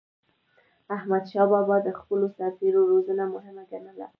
احمدشاه بابا د خپلو سرتېرو روزنه مهمه ګڼله.